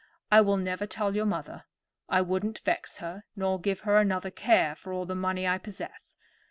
I will never tell your mother. I wouldn't vex her nor give her another care for all the money I possess.